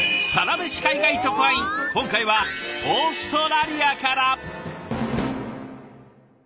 今回はオーストラリアから。